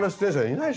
いない。